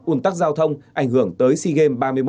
ủn tắc giao thông ảnh hưởng tới siêu game ba mươi một